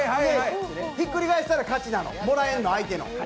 ひっくり返したら勝ちなのもらえるの、相手の。